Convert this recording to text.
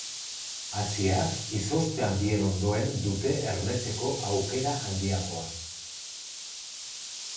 Haziak izozte handien ondoren dute ernetzeko aukera handiagoa.